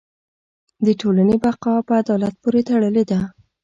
د ټولنې بقاء په عدالت پورې تړلې ده.